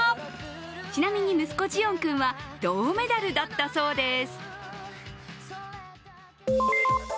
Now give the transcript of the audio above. ちなみに息子ジオン君は銅メダルだったそうです。